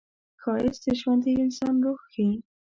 ښایست د ژوندي انسان روح ښيي